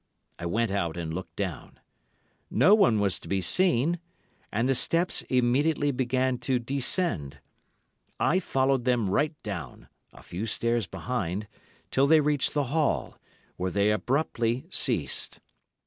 I went out and looked down. No one was to be seen, and the steps immediately began to descend. I followed them right down—a few stairs behind—till they reached the hall, when they abruptly ceased.